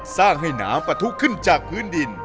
สร้างให้น้ำปะทุขึ้นจากพื้นดิน